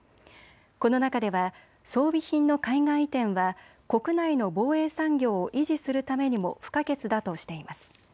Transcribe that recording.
この中では装備品の海外移転は国内の防衛産業を維持するためにも不可欠だとしています。